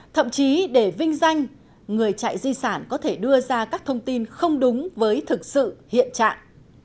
thậm chí để vinh danh người chạy di sản có thể đưa ra các thông tin không đúng với thực sự hiện trạng